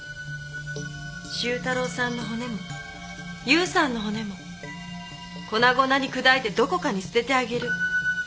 周太郎さんの骨もユウさんの骨も粉々に砕いてどこかに捨ててあげる。